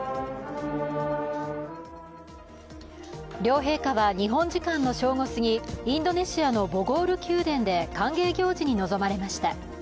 両陛下は日本時間の正午すぎインドネシアのボゴール宮殿で歓迎行事に臨まれました。